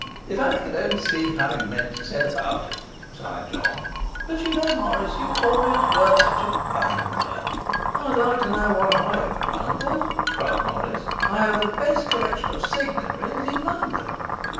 'If I could only see how you meant to set about it' sighed John. 'But you know, Morris, you always were such a bungler.' 'I'd like to know what I ever bungled,' cried Morris; 'I have the best collection of signet rings in London.